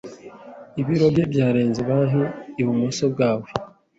Ibiro bye byarenze banki ibumoso bwawe.